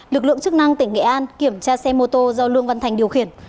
lực lượng chức năng tỉnh nghệ an kiểm tra xe mô tô do lương văn thành điều khiển